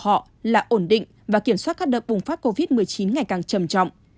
nhiệm vụ quan trọng của họ là ổn định và kiểm soát các đợt bùng phát covid một mươi chín ngày càng trầm trọng